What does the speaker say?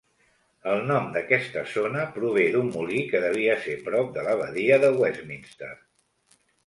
El nom d'aquesta zona prové d'un molí que devia ser prop de l'Abadia de Westminster.